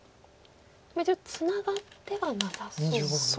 一応ツナがってはなさそうなんですか。